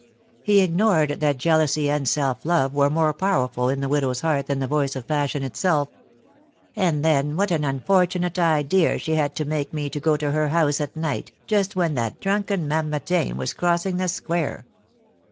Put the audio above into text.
He ignored that jealousy and self love were more powerful in the widow's heart than the voice of passion itself. '^And then what an unfortunate idea she had to make me go to her house at night, just when that drunken Mamertin was crossing the square